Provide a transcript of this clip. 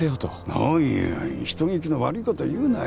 おいおい人聞きの悪いこと言うなよ。